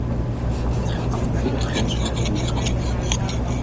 Dat geldt voor beide agentschappen die ik genoemd heb.